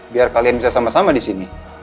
biar kalian bisa sama sama di sini